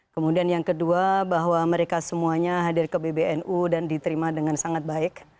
kemudian yang kedua bahwa mereka semuanya hadir ke pbnu dan diterima dengan sangat baik